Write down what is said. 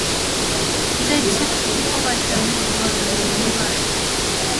They look to people like Dan Kimball and Donald Miller.